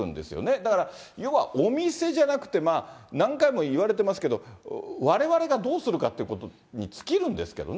だから要は、お店じゃなくて何回も言われてますけど、われわれがどうするかっていうことに尽きるんですけどね。